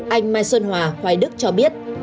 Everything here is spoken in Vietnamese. anh mai xuân hòa hoài đức cho biết